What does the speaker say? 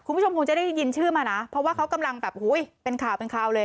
คุณผู้ชมคงจะได้ยินชื่อมานะเพราะว่าเขากำลังแบบเป็นข่าวเป็นข่าวเลย